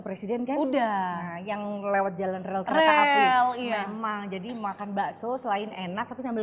presiden kan udah yang lewat jalan rel kereta api memang jadi makan bakso selain enak tapi sambil